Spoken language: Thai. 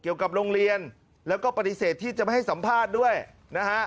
โรงเรียนแล้วก็ปฏิเสธที่จะไม่ให้สัมภาษณ์ด้วยนะฮะ